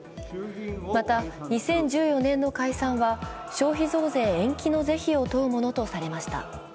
また２０１４年の解散は、消費増税延期の是非を問うものとされました。